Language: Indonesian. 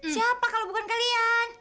siapa kalau bukan kalian